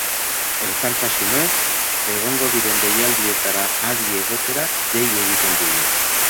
Elkartasunez, egongo diren deialdietara adi egotera dei egiten dugu.